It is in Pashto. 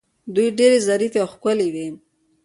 دوی ډیرې ظریفې او ښکلې وې